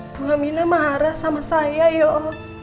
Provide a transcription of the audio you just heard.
bu aminah marah sama saya yuk